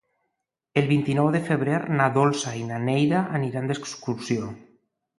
El vint-i-nou de febrer na Dolça i na Neida aniran d'excursió.